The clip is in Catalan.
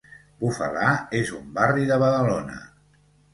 Bufalà és un barri de Badalona.